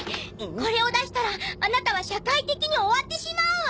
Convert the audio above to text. これを出したらアナタは社会的に終わってしまうわ！